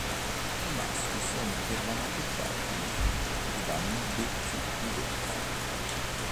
I maschi sono per la maggior parte neri ed hanno becchi rigonfi.